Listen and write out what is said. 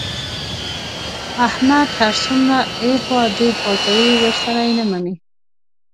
احمد هر څومره ایخوا دیخوا کوي، ورسره یې نه مني.